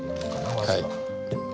はい。